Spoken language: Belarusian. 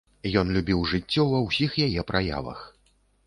Ён любіў жыццё ва ўсіх яе праявах.